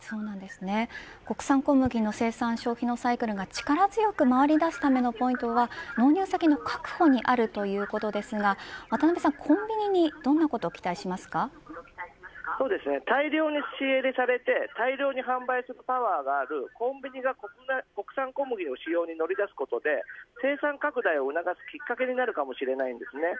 国産小麦の生産消費のサイクルが力強く回り出すためのポイントは納入先の確保にあるということですが渡辺さん、コンビニに大量に仕入れされて大量に販売するパワーがあるコンビニが国産小麦の使用に乗り出すことで生産拡大を促すきっかけになるかもしれないんです。